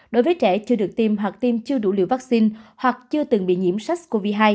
đối với trẻ chưa được tiêm hoặc tiêm chưa đủ liều vaccine hoặc chưa từng bị nhiễm sars cov hai